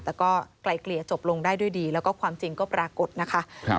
แต่ก็ไกลเกลี่ยจบลงได้ด้วยดีแล้วก็ความจริงก็ปรากฏนะคะ